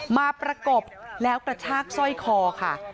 ประกบแล้วกระชากสร้อยคอค่ะ